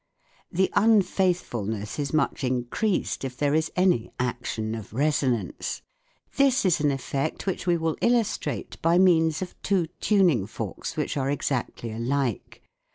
The unfaithfulness is much increased if there is any action of " resonance." This is an effect which we will illustrate by means of two tuning forks which are exactly alike.